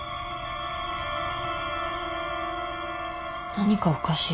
何かおかしい。